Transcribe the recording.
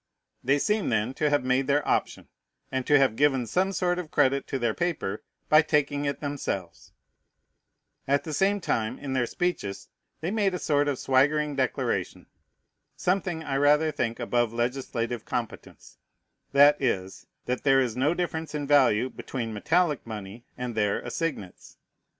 They seem, then, to have made their option, and to have given some sort of credit to their paper by taking it themselves; at the same time, in their speeches, they made a sort of swaggering declaration, something, I rather think, above legislative competence, that is, that there is no difference in value between metallic money and their assignats.